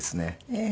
ええ。